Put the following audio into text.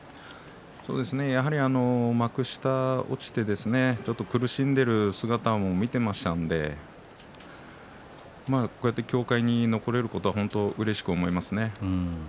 そうですね幕下に落ちてですね、ちょっと苦しんでいる姿も見ていましたのでこうやって協会に残れることはうれしく思いますね。